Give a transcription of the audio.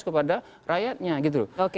kepada rakyatnya gitu oke